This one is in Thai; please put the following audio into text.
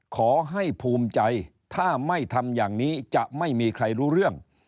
ขอให้ภูมิใจถ้าไม่ทำอย่างนี้จะไม่มีใครรู้เรื่อง